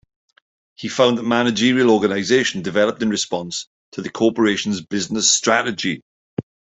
He found that managerial organization developed in response to the corporation's business strategy.